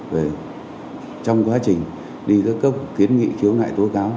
về trong quá trình đi các cấp kiến nghị khiếu nại tố cáo